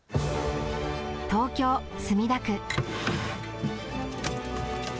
東京・墨田区。